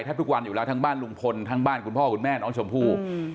ทุกวันอยู่แล้วทั้งบ้านลุงพลทั้งบ้านคุณพ่อคุณแม่น้องชมพู่